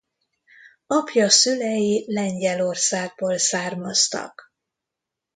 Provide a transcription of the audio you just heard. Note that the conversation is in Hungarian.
Apja szülei Lengyelországból származtak.